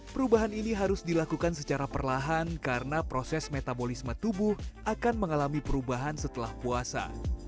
perubahan ini harus dilakukan secara perlahan karena proses metabolisme tubuh akan mengalami perubahan setelah puasa